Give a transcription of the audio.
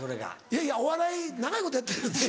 いやいやお笑い長いことやってるよね？